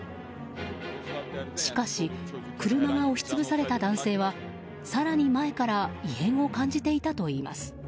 しかし、車が押し潰された男性は更に前から異変を感じていたといいます。